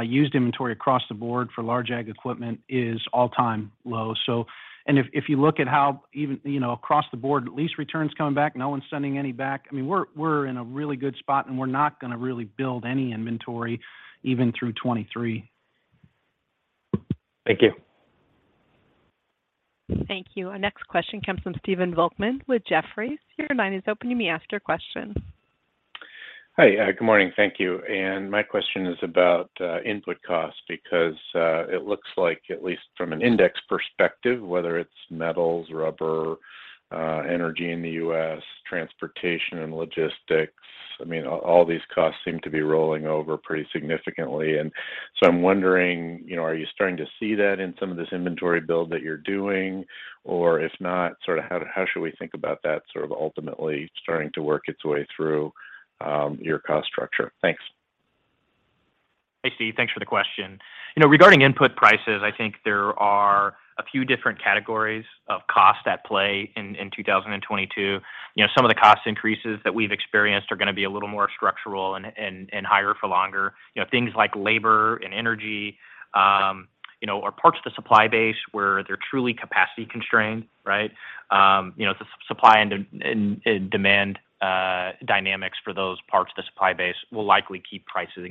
Used inventory across the board for large ag equipment is all-time low. If you look at how even, you know, across the board, lease return's coming back. No one's sending any back. I mean, we're in a really good spot, and we're not gonna really build any inventory even through 2023. Thank you. Thank you. Our next question comes from Stephen Volkmann with Jefferies. Your line is open. You may ask your question. Hi. Good morning. Thank you. My question is about input costs because it looks like at least from an index perspective, whether it's metals, rubber, energy in the U.S., transportation and logistics, I mean, all these costs seem to be rolling over pretty significantly. I'm wondering, you know, are you starting to see that in some of this inventory build that you're doing? Or if not, sort of how should we think about that sort of ultimately starting to work its way through your cost structure? Thanks. Hey, Steve. Thanks for the question. You know, regarding input prices, I think there are a few different categories of cost at play in 2022. You know, some of the cost increases that we've experienced are gonna be a little more structural and higher for longer. You know, things like labor and energy, you know, or parts of the supply base where they're truly capacity constrained, right? You know, the supply and demand dynamics for those parts of the supply base will likely keep prices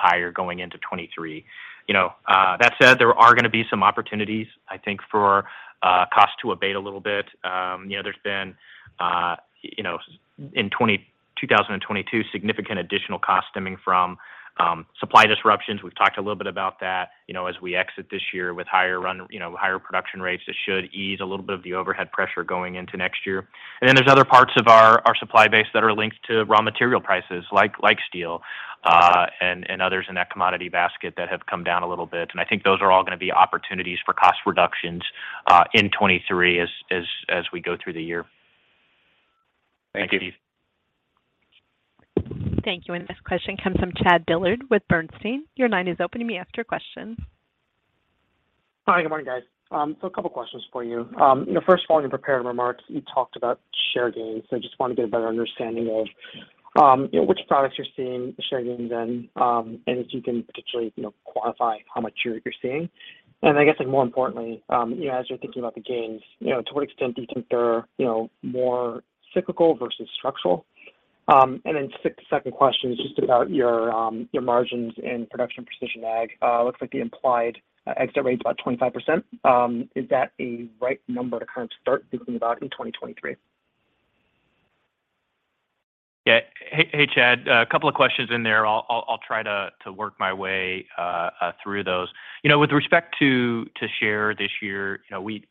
higher going into 2023. You know, that said, there are gonna be some opportunities, I think for cost to abate a little bit. You know, there's been, you know, in 2022 significant additional costs stemming from supply disruptions. We've talked a little bit about that. You know, as we exit this year with higher run, you know, higher production rates, it should ease a little bit of the overhead pressure going into next year. There's other parts of our supply base that are linked to raw material prices like steel and others in that commodity basket that have come down a little bit. I think those are all gonna be opportunities for cost reductions in 2023 as we go through the year. Thank you. Thank you. Next question comes from Chad Dillard with Bernstein. Your line is open. You may ask your question. Hi. Good morning, guys. A couple questions for you. You know, first of all, in your prepared remarks, you talked about share gains. I just want to get a better understanding of, you know, which products you're seeing share gains in, and if you can particularly, you know, quantify how much you're seeing. And I guess, like more importantly, you know, as you're thinking about the gains, you know, to what extent do you think they're, you know, more cyclical versus structural? Second question is just about your margins in Production and Precision Ag. Looks like the implied exit rate is about 25%. Is that a right number to kind of start thinking about in 2023? Yeah. Hey, Chad. A couple of questions in there. I'll try to work my way through those. You know, with respect to share this year, you know, we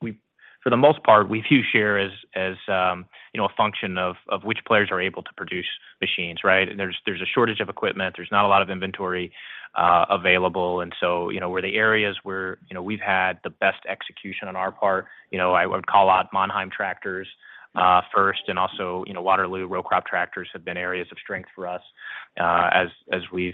for the most part view share as you know, a function of which players are able to produce machines, right? There's a shortage of equipment. There's not a lot of inventory available. You know, where the areas where, you know, we've had the best execution on our part. You know, I would call out Mannheim tractors first and also, you know, Waterloo row crop tractors have been areas of strength for us, as we've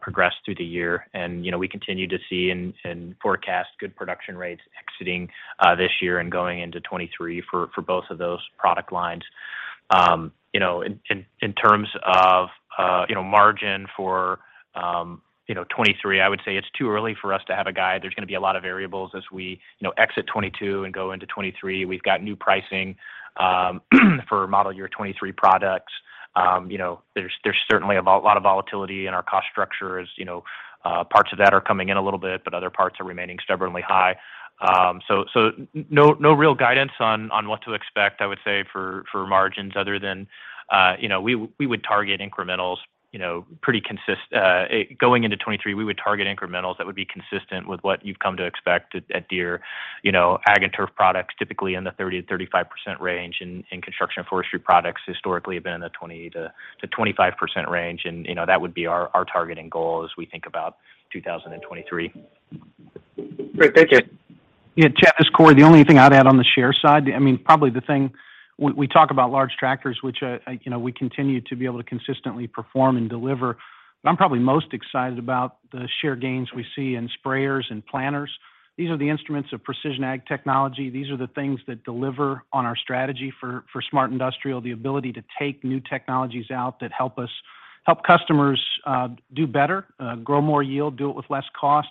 progressed through the year. You know, we continue to see and forecast good production rates exiting this year and going into 2023 for both of those product lines. You know, in terms of you know, margin for 2023, I would say it's too early for us to have a guide. There's gonna be a lot of variables as we you know, exit 2022 and go into 2023. We've got new pricing for model year 2023 products. You know, there's certainly a lot of volatility in our cost structures. You know, parts of that are coming in a little bit, but other parts are remaining stubbornly high. No real guidance on what to expect for margins other than you know we would target incrementals that would be consistent with what you've come to expect at Deere. You know, ag and turf products typically in the 30%-35% range. Construction and forestry products historically have been in the 20%-25% range. You know, that would be our targeting goal as we think about 2023. Great. Thank you. Yeah. Chad, this is Cory. The only thing I'd add on the share side, I mean, probably the thing we talk about large tractors, which I you know, we continue to be able to consistently perform and deliver. But I'm probably most excited about the share gains we see in sprayers and planters. These are the instruments of precision ag technology. These are the things that deliver on our strategy for Smart Industrial, the ability to take new technologies out that help us help customers do better, grow more yield, do it with less cost.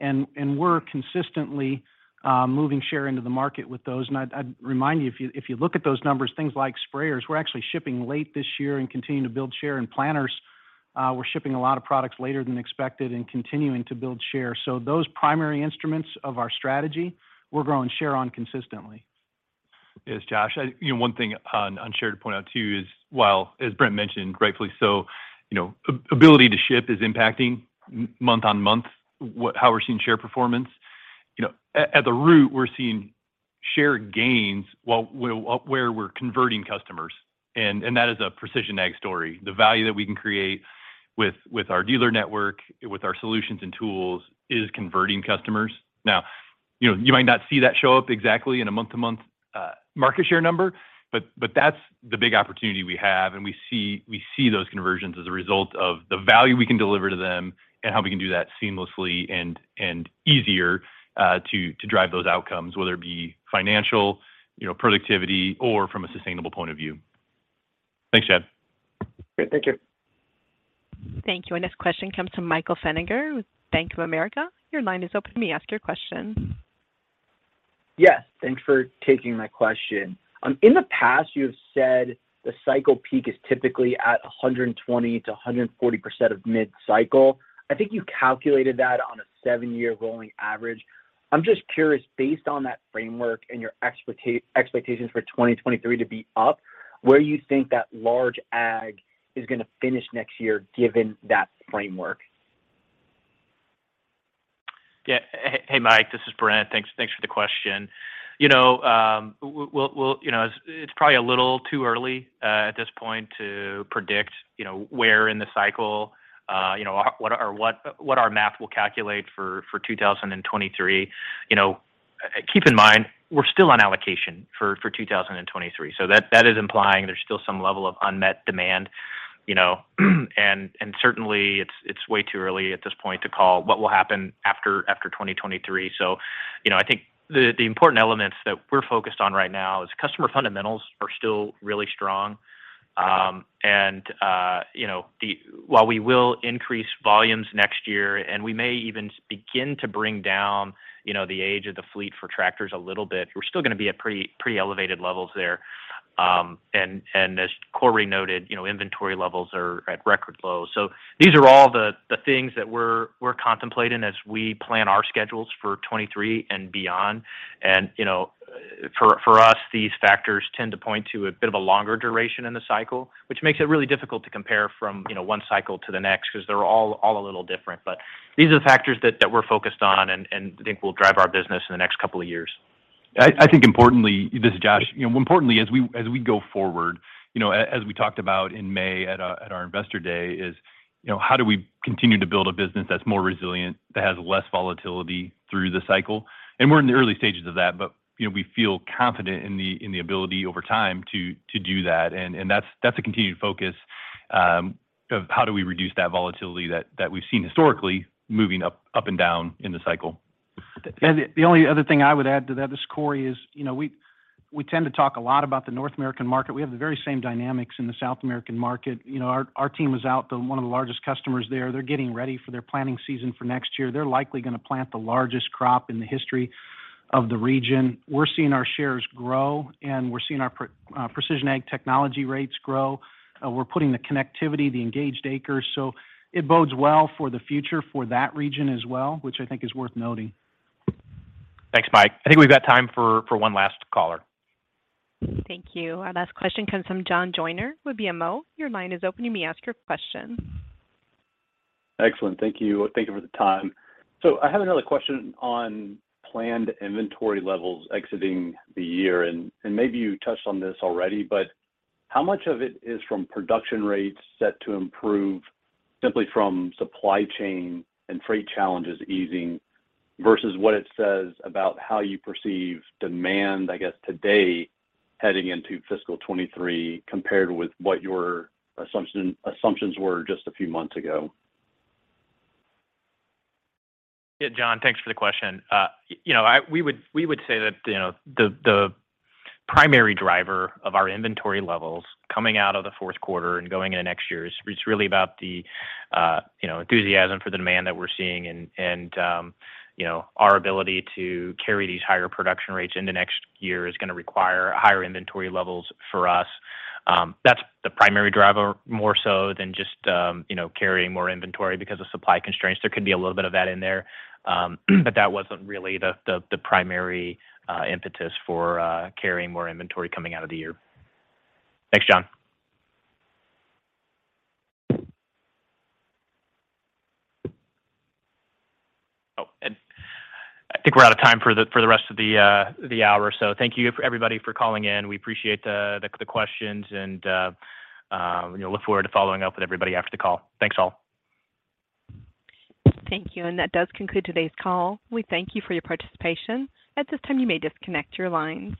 We're consistently moving share into the market with those. I'd remind you, if you look at those numbers, things like sprayers, we're actually shipping late this year and continuing to build share. Planters, we're shipping a lot of products later than expected and continuing to build share. Those primary instruments of our strategy, we're growing share on consistently. Yes, Josh. You know, one thing on share to point out too is, while, as Brent mentioned, rightfully so, you know, ability to ship is impacting month-on-month how we're seeing share performance. You know, at the root, we're seeing share gains where we're converting customers, and that is a precision ag story. The value that we can create with our dealer network, with our solutions and tools is converting customers. Now, you know, you might not see that show up exactly in a month-to-month market share number, but that's the big opportunity we have. We see those conversions as a result of the value we can deliver to them and how we can do that seamlessly and easier to drive those outcomes, whether it be financial, you know, productivity, or from a sustainable point of view. Thanks, Chad. Great. Thank you. Thank you. This question comes from Michael Feniger with Bank of America. Your line is open. You may ask your question. Yes. Thanks for taking my question. In the past, you have said the cycle peak is typically at 120%-140% of mid-cycle. I think you calculated that on a seven-year rolling average. I'm just curious, based on that framework and your expectations for 2023 to be up, where you think that large ag is gonna finish next year given that framework? Yeah. Hey, Mike. This is Brent. Thanks for the question. You know, it's probably a little too early at this point to predict, you know, where in the cycle, you know, what our math will calculate for 2023. You know, keep in mind, we're still on allocation for 2023, so that is implying there's still some level of unmet demand, you know. Certainly, it's way too early at this point to call what will happen after 2023. You know, I think the important elements that we're focused on right now is customer fundamentals are still really strong. You know, the While we will increase volumes next year, and we may even begin to bring down, you know, the age of the fleet for tractors a little bit, we're still gonna be at pretty elevated levels there. As Cory noted, you know, inventory levels are at record lows. These are all the things that we're contemplating as we plan our schedules for 2023 and beyond. You know, for us, these factors tend to point to a bit of a longer duration in the cycle, which makes it really difficult to compare from, you know, one cycle to the next 'cause they're all a little different. These are the factors that we're focused on and I think will drive our business in the next couple of years. I think importantly, this is Josh. You know, importantly, as we go forward, you know, as we talked about in May at our Investor Day, you know, how do we continue to build a business that's more resilient, that has less volatility through the cycle? We're in the early stages of that, but you know, we feel confident in the ability over time to do that. That's a continued focus of how do we reduce that volatility that we've seen historically moving up and down in the cycle. The only other thing I would add to that, this is Cory, is, you know, we tend to talk a lot about the North American market. We have the very same dynamics in the South American market. You know, our team was out to one of the largest customers there. They're getting ready for their planting season for next year. They're likely gonna plant the largest crop in the history of the region. We're seeing our shares grow, and we're seeing our Precision Ag technology rates grow. We're putting the connectivity, the engaged acres, so it bodes well for the future for that region as well, which I think is worth noting. Thanks, Mike. I think we've got time for one last caller. Thank you. Our last question comes from John Joyner with BMO. Your line is open. You may ask your question. Excellent. Thank you. Thank you for the time. I have another question on planned inventory levels exiting the year. And maybe you touched on this already, but how much of it is from production rates set to improve simply from supply chain and freight challenges easing versus what it says about how you perceive demand, I guess, today heading into fiscal 2023 compared with what your assumption, assumptions were just a few months ago? Yeah. John, thanks for the question. You know, we would say that, you know, the primary driver of our inventory levels coming out of the fourth quarter and going into next year is really about the, you know, enthusiasm for the demand that we're seeing and you know, our ability to carry these higher production rates into next year is gonna require higher inventory levels for us. That's the primary driver more so than just, you know, carrying more inventory because of supply constraints. There could be a little bit of that in there. That wasn't really the primary impetus for carrying more inventory coming out of the year. Thanks, John. Oh, I think we're out of time for the rest of the hour. Thank you everybody for calling in. We appreciate the questions and, you know, look forward to following up with everybody after the call. Thanks, all. Thank you. That does conclude today's call. We thank you for your participation. At this time, you may disconnect your lines.